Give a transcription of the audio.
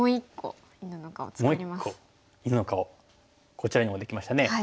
こちらにもできましたね。